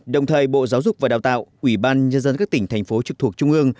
đồng thời bộ giáo dục và đào tạo ủy ban nhân dân các tỉnh thành phố trực thuộc trung ương